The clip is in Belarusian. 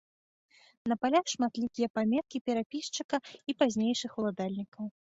На палях шматлікія паметкі перапісчыка і пазнейшых уладальнікаў.